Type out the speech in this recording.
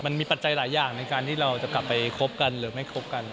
ปัจจัยหลายอย่างในการที่เราจะกลับไปคบกันหรือไม่คบกัน